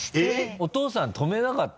お父さん止めなかった？